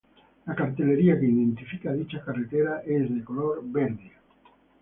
La cartelería que identifica a dichas carreteras es de color verde.